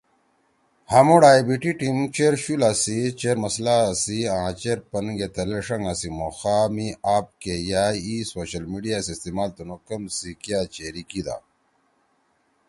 ہامُوڑ ائی بی ٹی ٹیم ہُم چیر شُولا سی، چیر مسئلہ سی آں چیر پن گے تھلیل ݜنگا سی مُوخا می آپ کے یأ ای سوشل میڈیا سی استعمال تُنُو کم سی کیا چیری کیِدا۔ مھو